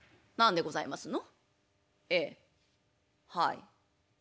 はい。